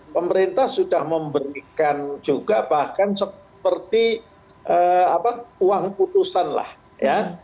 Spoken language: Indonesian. pemerintah sudah memberikan juga bahkan seperti uang putusan lah ya